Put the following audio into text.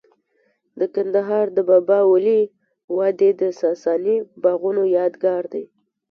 د کندهار د بابا ولی وادي د ساساني باغونو یادګار دی